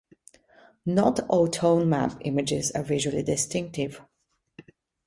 Not all tone mapped images are visually distinctive.